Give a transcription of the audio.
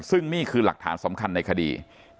ซึ่งนี่คือหลักฐานสำคัญในคดี